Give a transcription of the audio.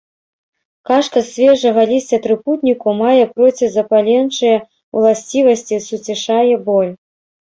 Кашка з свежага лісця трыпутніку мае процізапаленчыя ўласцівасці, суцішае боль.